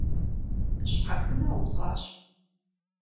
Щхьэхынэ ухъуащ.